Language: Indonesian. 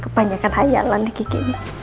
kebanyakan hayalan nih kiki